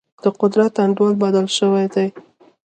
د قدرت انډول بدل شوی دی.